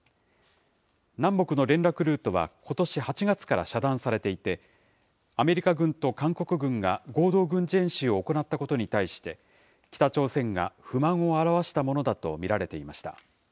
南北の連絡ルートはことし８月から遮断されていて、アメリカ軍と韓国軍が合同軍事演習を行ったことに対して、北朝鮮が不満をあらわしたものだと見られていました。